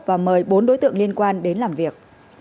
và mời bốn đối tượng liên quan đến làm việc